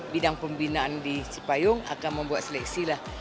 bidang pembinaan di cipayung akan membuat seleksi lah